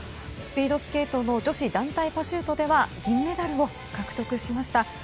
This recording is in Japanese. スピードスケート女子団体パシュートでは銀メダルを獲得しました。